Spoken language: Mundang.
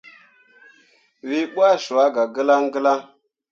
Wǝ ɓuah cua gah gǝlaŋ gǝlaŋ.